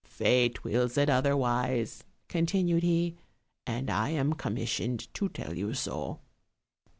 "Fate wills it otherwise," continued he, "and I am commissioned to tell you so."